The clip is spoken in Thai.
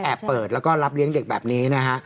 เปิดแล้วก็รับเลี้ยงเด็กแบบนี้นะฮะ